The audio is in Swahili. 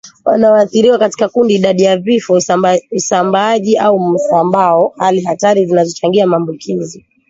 wanaoathiriwa katika kundi idadi ya vifo usambaaji au msambao hali hatari zinazochangia maambukizi